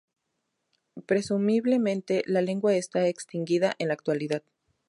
Presumiblemente la lengua está extinguida en la actualidad.